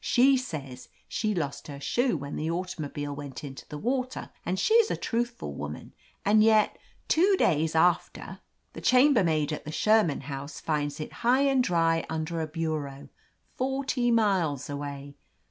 'She sez she lost her shoe when the automobile went into the water, and she's a truthful woman; and yet, two days after, the chambermaid at the Sherman House finds it high and dry under a bureau, forty miles away.